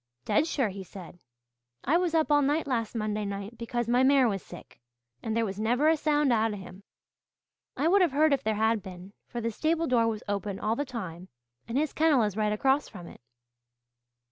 'Dead sure,' he said. 'I was up all night last Monday night because my mare was sick, and there was never a sound out of him. I would have heard if there had been, for the stable door was open all the time and his kennel is right across from it!'